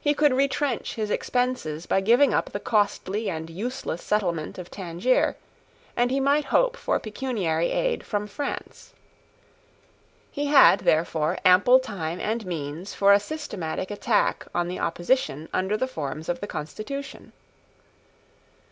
He could retrench his expenses by giving up the costly and useless settlement of Tangier; and he might hope for pecuniary aid from France. He had, therefore, ample time and means for a systematic attack on the opposition under the forms of the constitution.